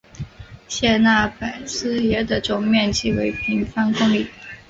谢讷帕基耶的总面积为平方公里。